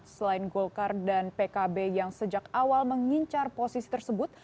selain golkar dan pkb yang sejak awal mengincar posisi tersebut